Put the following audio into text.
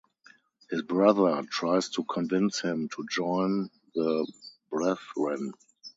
His brother tries to convince him to join the Brethren.